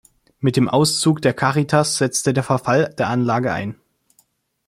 Mit dem Auszug der Caritas setzte der Verfall der Anlage ein.